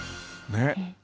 ねっ！